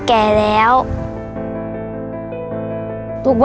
หลายค่ะ